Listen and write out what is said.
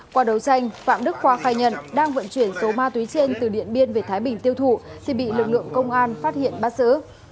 qua đấu tranh phạm đức khoa khai nhận đang vận chuyển số ma túy trên từ điện biên về thái bình tiêu thụ thì bị lực lượng công an phát hiện bắt xử